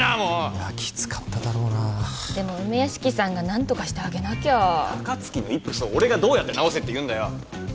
いやきつかっただろうなでも梅屋敷さんが何とかしてあげなきゃ高槻のイップスを俺がどうやって治せっていうんだよ